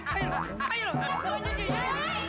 kamu kan mau sholat